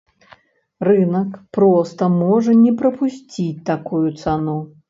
Рынак проста можа не прапусціць такую цану.